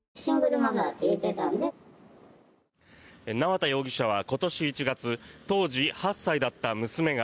縄田容疑者は今年１月当時８歳だった娘が